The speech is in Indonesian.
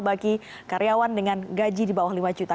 bagi karyawan dengan gaji di bawah lima juta